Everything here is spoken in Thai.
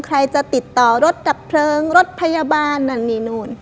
ใครจะติดต่อรถดับเพลิงรถพยาบาลนั่นนี่นู่น